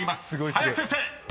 林先生］